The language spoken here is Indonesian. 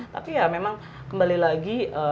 tapi ya memang kembali lagi